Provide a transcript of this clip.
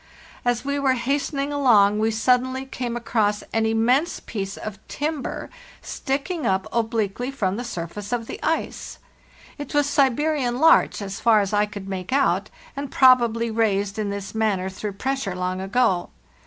As we were hastening along we suddenly came across an immense piece of timber sticking up 186 LARITEST NOK TA obliquely from the surface of the ice. It was Siberian larch, as far as I could make out, and probably raised in this manner through pressure long ago.